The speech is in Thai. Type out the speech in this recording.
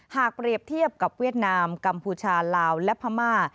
หากเปรียบเทียบกับเวียดนามกัมพูชาลาวและพม่า